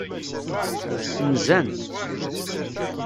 Nzant.